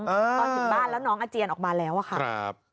ตอนถึงบ้านแล้วน้องอาเจียนออกมาแล้วอะค่ะ